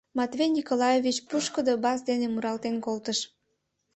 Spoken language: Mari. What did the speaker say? Матвей Николаевич пушкыдо бас дене муралтен колтыш: